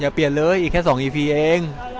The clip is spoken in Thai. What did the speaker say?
เปลี่ยนเลยอีกแค่๒อีพีเอง